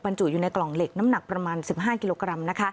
จุอยู่ในกล่องเหล็กน้ำหนักประมาณ๑๕กิโลกรัม